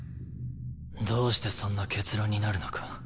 どうしてそんな結論になるのか